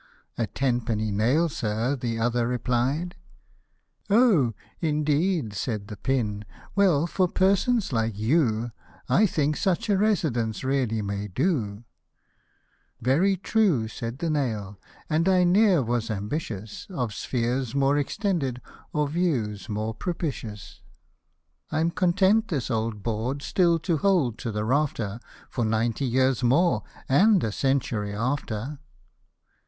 " A tenpenny nail, Sir," the other replied ;" O, indeed !" said the pin, "well, for persons like you 1 think, such a residence really may do." " Very true," said the nail, " and I ne'er was am bitious Of spheres more extended, or views more propitious ; The Gold Pin & the Tlie Wasps fc the Flies. m I'm content this old board still to hold to the rafter, For ninety years more, and a century after."